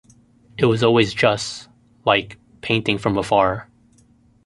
It was always just, like, panting from afar.